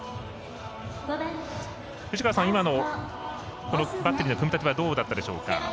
藤川さん、今のバッテリーの組み立てはどうだったでしょうか。